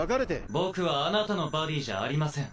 僕はあなたのバディじゃありません。